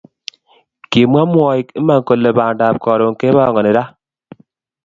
Kimwa mwoik iman kole bandap Karon kepangani ra